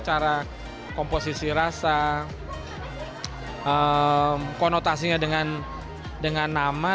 cara komposisi rasa konotasinya dengan nama